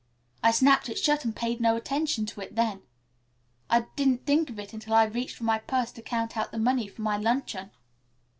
I snapped it shut and paid no attention to it then. I didn't think of it until I reached for my purse to count out the money for my luncheon."